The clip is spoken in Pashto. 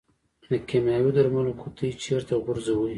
د کیمیاوي درملو قطۍ چیرته غورځوئ؟